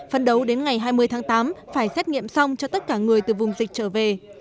phân đấu đến ngày hai mươi tháng tám phải xét nghiệm xong cho tất cả người từ vùng dịch trở về